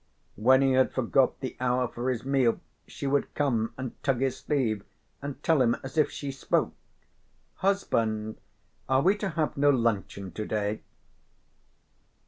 When he had forgot the hour for his meal she would come and tug his sleeve and tell him as if she spoke: "Husband, are we to have no luncheon to day?"